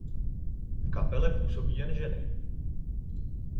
V kapele působí jen ženy.